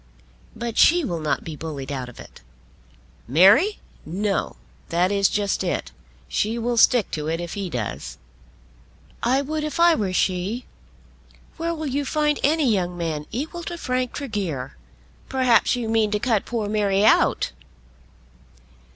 "But she will not be bullied out of it?" "Mary? No. That is just it. She will stick to it if he does." "I would if I were she. Where will you find any young man equal to Frank Tregear?" "Perhaps you mean to cut poor Mary out."